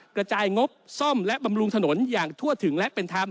กระจายงบซ่อมและบำรุงถนนอย่างทั่วถึงและเป็นธรรม